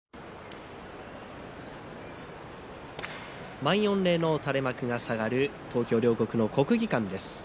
満員御礼の垂れ幕が下がる東京・両国の国技館です。